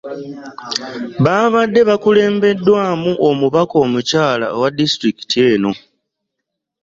Baabadde bakulembeddwamu omubaka omukyala owa disitulikiti eno.